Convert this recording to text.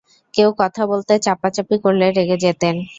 কেউ কথা বলতে চাপাচাপি করলে রেগে যেতেন।